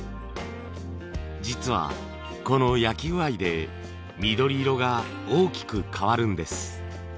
実はこの焼き具合で緑色が大きく変わるんです。